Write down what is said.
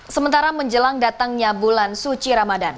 sementara menjelang datangnya bulan suci ramadan